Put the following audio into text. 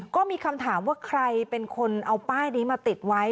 ก็มีคำถามว่าใครเป็นคนเอาป้ายนี้มาติดไว้